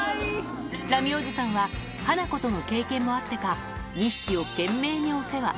ラミおじさんは、ハナコとの経験もあってか、２匹を懸命にお世話。